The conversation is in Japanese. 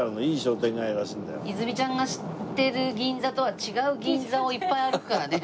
泉ちゃんが知ってる銀座とは違う銀座をいっぱい歩くからね。